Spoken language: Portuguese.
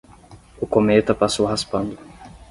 O cometa passou raspando